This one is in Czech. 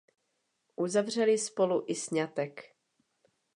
Uzavřeli spolu i sňatek.